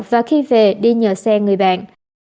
và khi về đi nhờ xe người bạn